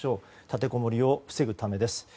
立てこもりを防ぐためです。